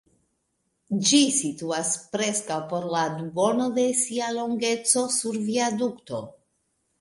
Ĝi situas preskaŭ por la duono de sia longeco sur viadukto.